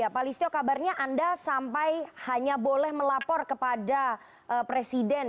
pak listio kabarnya anda sampai hanya boleh melapor kepada presiden